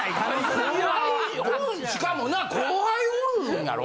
しかもな後輩おるんやろ？